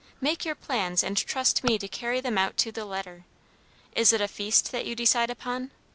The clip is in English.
Make your plans, and trust me to carry them out to the letter. Is it a feast that you decide upon?